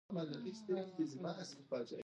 دوی د ټولنې نیمه برخه ده.